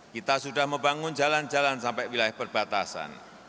kita sudah membangun jalan jalan sampai wilayah perbatasan